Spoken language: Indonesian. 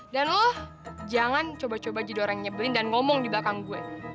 dan lo jangan coba coba jadi orang yang nyebelin dan ngomong di belakang gue